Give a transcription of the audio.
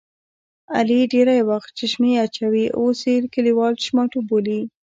علي ډېری وخت چشمې اچوي اوس یې کلیوال چشماټو بولي.